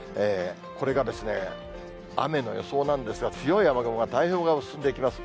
これがですね、雨の予想なんですが、強い雨雲が太平洋側を進んでいきます。